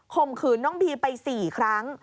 ข่มขืนน้องบีไปสี่ครั้ง